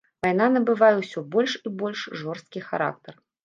Вайна набывае ўсё больш і больш жорсткі характар.